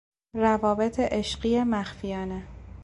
روابط عشقی مخفیانه